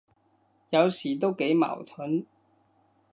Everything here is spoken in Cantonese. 有時都幾矛盾，